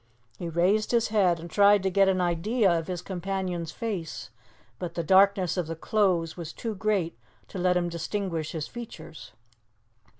He raised his head and tried to get an idea of his companion's face, but the darkness of the close was too great to let him distinguish his features.